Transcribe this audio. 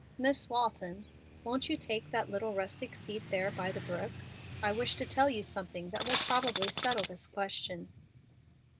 Miss Walton, won't you take that little rustic seat there by the brook? I wish to tell you something that will probably settle this question."